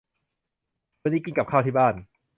วันนี้กินกับข้าวที่บ้าน